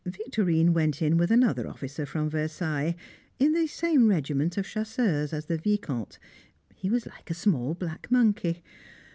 Victorine went in with another officer from Versailles, in the same regiment of Chasseurs as the Vicomte; he was like a small black monkey.